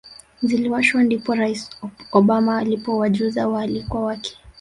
ziliwashwa ndipo Rais Obama alipowajuza waalikwa wake